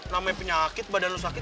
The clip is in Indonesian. namanya penyakit badan sakit